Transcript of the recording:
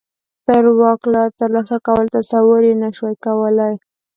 د واک ترلاسه کولو تصور یې نه شوای کولای.